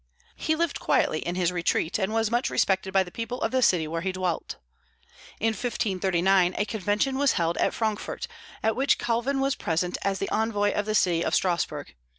He lived quietly in his retreat, and was much respected by the people of the city where he dwelt. In 1539 a convention was held at Frankfort, at which Calvin was present as the envoy of the city of Strasburg.